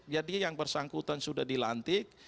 yang bersangkutan sudah dilantik